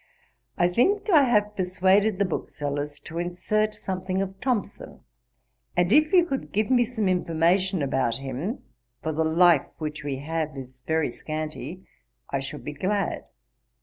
I think I have persuaded the book sellers to insert something of Thomson; and if you could give me some information about him, for the life which we have is very scanty, I should be glad.